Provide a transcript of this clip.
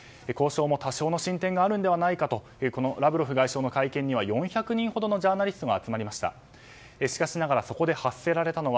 交渉も多少の進展があるのではないかとこのラブロフ外相の会見には４００人ほどのジャーナリストが集まりました。